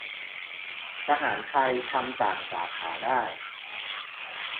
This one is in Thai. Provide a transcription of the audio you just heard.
- ทหารไทย ทำต่างสาขาได้